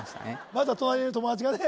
まずは隣にいる友達がね